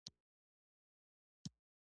هڅه د تمدن د ودې محرک ده.